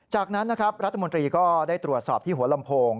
จากนั้นนะครับรัฐมนตรีก็ได้ตรวจสอบที่หัวลำโพง